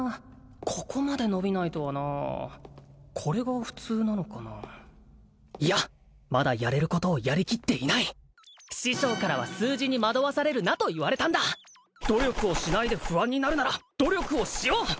ここまで伸びないとはなあこれが普通なのかないやまだやれることをやりきっていない師匠からは数字に惑わされるなと言われたんだ努力をしないで不安になるなら努力をしよう！